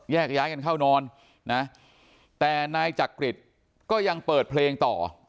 แยกย้ายกันเข้านอนนะแต่นายจักริตก็ยังเปิดเพลงต่อ